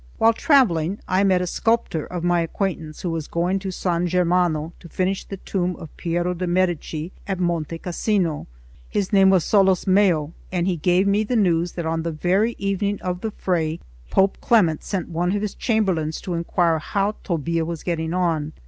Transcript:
While travelling, I met a sculptor of my acquaintance, who was going to San Germano to finish the tomb of Piero de' Medici at Monte Cassino. His name was Solosmeo, and he gave me the news that on the very evening of the fray, Pope Clement sent one of his chamberlains to inquire how Tobbia was getting on.